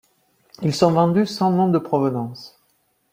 Ils sont vendus sans nom de provenance.